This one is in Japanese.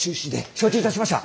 承知いたしました！